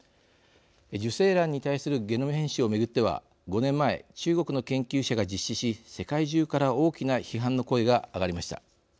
受精卵に対するゲノム編集を巡っては５年前中国の研究者が実施し世界中から大きな批判の声が上がりました。